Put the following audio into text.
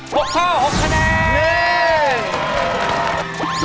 ๖ข้อ๖คะแนน